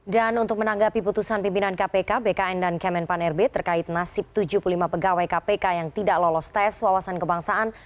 dan untuk menanggapi putusan pimpinan kpk bkn dan kemenpanerbe terkait nasib tujuh puluh lima pegawai kpk yang tidak lolos tes wawasan kebangsaan